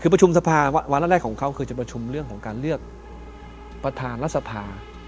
คือประชุมสภาวาระแรกของเขาคือจะประชุมเรื่องของการเลือกประธานรัฐสภา